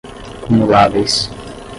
cumuláveis